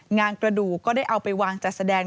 งานกระดูกก็ได้เอาไปวางจัดแสดง